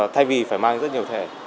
thay vì phải mang rất nhiều thẻ